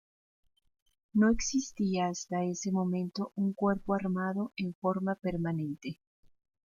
No existía hasta ese momento un cuerpo armado en forma permanente.